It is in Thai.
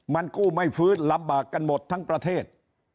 มันกู้ไม่ฟื้นลำบากกันหมดทั้งประเทศ